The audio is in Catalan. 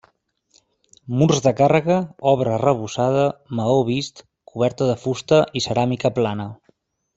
Murs de càrrega, obra arrebossada, maó vist, coberta de fusta i ceràmica plana.